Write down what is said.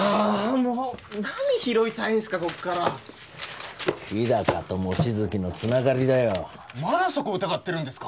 もう何拾いたいんすかこっから日高と望月のつながりだよまだそこ疑ってるんですか？